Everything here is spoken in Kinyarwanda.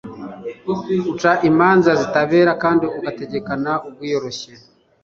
uca imanza zitabera kandi ugategekana ubwiyoroshye